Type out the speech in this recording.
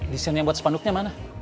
desain yang buat sepanduknya mana